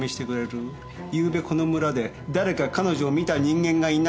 ゆうべこの村でだれか彼女を見た人間がいないか。